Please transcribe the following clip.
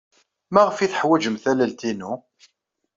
Maɣef ay teḥwajem tallalt-inu?